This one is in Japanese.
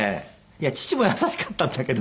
父も優しかったんだけど